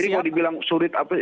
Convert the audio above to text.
jadi kalau dibilang surat apa